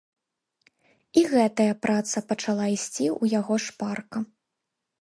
І гэтая праца пачала ісці ў яго шпарка.